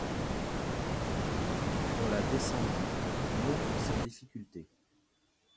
On la descendit, non sans difficultés.